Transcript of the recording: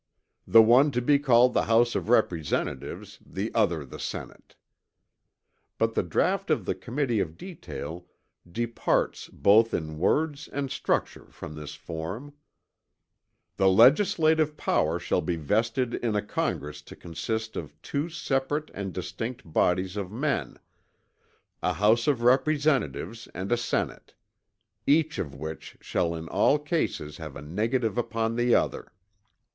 "The one to be called the House of Representatives, the other the Senate." But the draught of the Committee of Detail departs both in words and structure from this form: "The Legislative Power shall be vested in a Congress to consist of two separate and distinct bodies of men, a House of Representatives and a Senate; each of which shall in all cases have a negative upon the other."